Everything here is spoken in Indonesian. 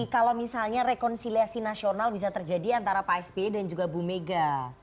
kalau misalnya rekonsiliasi nasional bisa terjadi antara pak sby dan juga bu mega